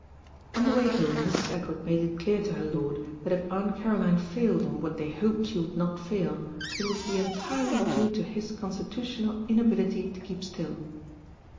On the way home Mrs. Edward made it clear to her lord that if Aunt Caroline failed in what they hoped she would not fail, it would be entirely due to his constitutional inability to keep still.